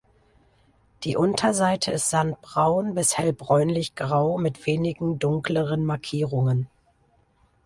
Die Unterseite ist sandbraun bis hell bräunlich grau mit wenigen dunkleren Markierungen.